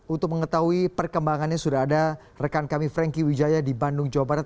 untuk mengetahui perkembangannya sudah ada rekan kami franky wijaya di bandung jawa barat